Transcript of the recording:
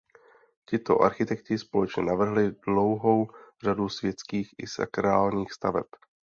Tito architekti společně navrhli dlouhou řadu světských i sakrálních staveb.